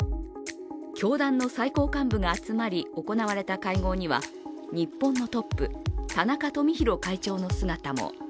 教団の最高幹部が集まり行われた会合には日本のトップ、田中富広会長の姿も。